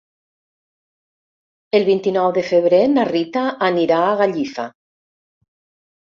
El vint-i-nou de febrer na Rita anirà a Gallifa.